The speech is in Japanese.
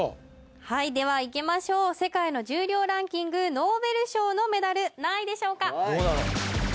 はいではいきましょう世界の重量ランキングノーベル賞のメダル何位でしょうか？